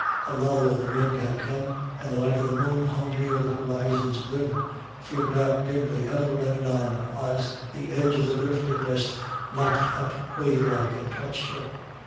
A lull in the wind had come, and the light of the moon, hung near the horizon's rim, flickered out dimly ever and anon as the edge of the drifting mist lapped up wave like and touched her.